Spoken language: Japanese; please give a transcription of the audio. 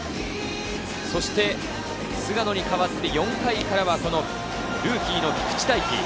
そして菅野に代わって４回からは、ルーキーの菊地大稀。